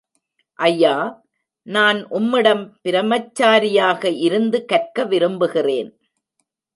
ஐயா, நான் உம்மிடம் பிரமச்சாரியாக இருந்து கற்க விரும்புகிறேன்.